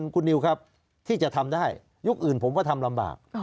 คุณนิวครับที่จะทำได้ยุคอื่นผมก็ทำลำบาก